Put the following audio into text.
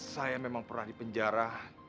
saya memang pernah di penjara